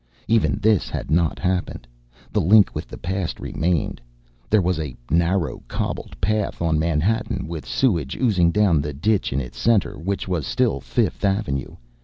Even this had not happened. The link with the past remained. There was a narrow, cobbled path on Manhattan, with sewage oozing down the ditch in its center, which was still Fifth Avenue.